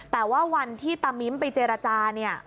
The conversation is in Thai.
แต่ว่าวันที่ตามิ๊มไปเจรจา